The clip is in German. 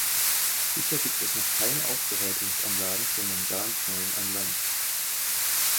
Bisher gibt es noch keine Aufbereitungsanlagen für Manganknollen an Land.